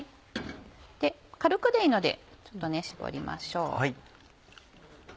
軽くでいいのでちょっと絞りましょう。